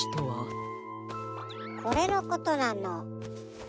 これのことなの。